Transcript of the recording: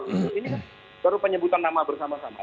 ini kan baru penyebutan nama bersama sama